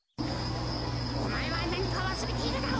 おまえはなにかわすれているだろう！？